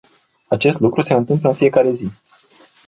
Acest lucru se întâmplă în fiecare zi.